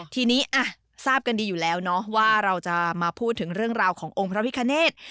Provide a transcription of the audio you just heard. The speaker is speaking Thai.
ทีนี้ทราบกันดีอยู่แล้วเนาะว่าเราจะมาพูดถึงเรื่องราวขององค์พระพิคเนธ